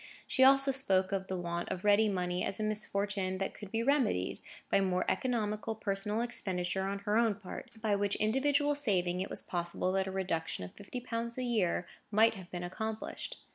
She also spoke of the want of ready money as a misfortune that could be remedied, by more economical personal expenditure on her own part; by which individual saving, it was possible that a reduction of fifty pounds a year might have been accomplished.